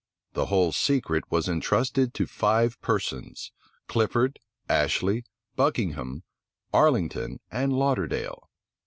The whole secret was intrusted to five persons, Clifford, Ashley, Buckingham, Arlington, and Lauderdale.